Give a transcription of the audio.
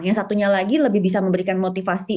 yang satunya lagi lebih bisa memberikan motivasi